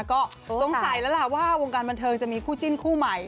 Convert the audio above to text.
ก็สงสัยแล้วล่ะว่าวงการบันเทิงจะมีคู่จิ้นคู่ใหม่